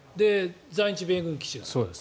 在日米軍基地がある。